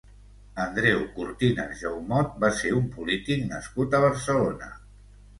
Andreu Cortines Jaumot va ser un polític nascut a Barcelona.